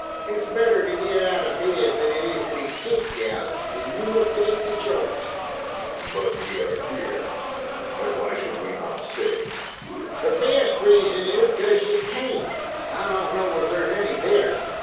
It's better to get out of bed than it is to be kicked out, and you must take your choice." "But we are here, and why should we not stay?" "The best reason is 'cause you can't. I don't know as there's any better.